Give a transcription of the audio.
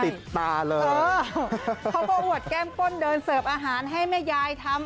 ติดตาเลยเออเขาก็อวดแก้มก้นเดินเสิร์ฟอาหารให้แม่ยายทำ